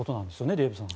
デーブさん。